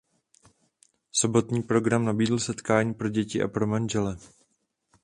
Sobotní program nabídl setkání pro děti a pro manžele.